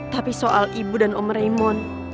tapi soal ibu dan om remon